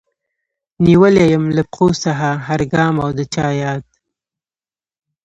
نيولی يم له پښو څخه هر ګام او د چا ياد